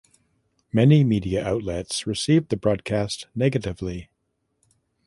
Many media outlets received the broadcast negatively.